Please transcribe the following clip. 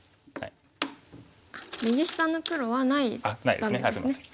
右下の黒はない場面ですね。